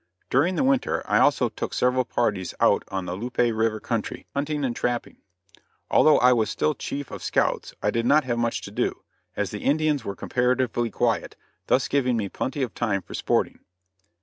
During the winter I also took several parties out on the Loupe River country, hunting and trapping. Although I was still chief of scouts I did not have much to do, as the Indians were comparatively quiet, thus giving me plenty of time for sporting.